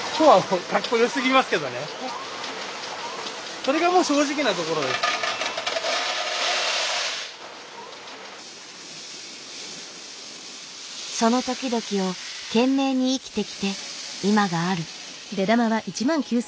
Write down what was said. その時々を懸命に生きてきて今がある。